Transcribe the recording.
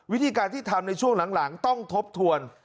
วิธีการที่ทำในช่วงหลังต้องทบทวน